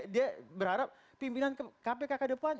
dia berharap pimpinan kpk ke depan